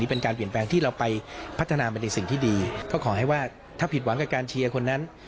แต่ว่าถ้าผิดหวังกับการเชียร์คนนั้น